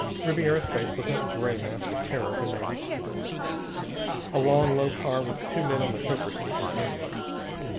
Ribiera's face was a gray mask of terror when they reached the door. A long, low car with two men on the chauffeur's seat was waiting.